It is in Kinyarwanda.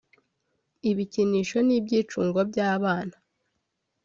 ibikinisho n’ibyicungo by’abana